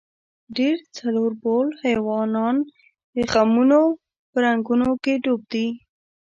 ډېر څلوربول حیوانان د خمونو په رنګونو کې ډوب دي.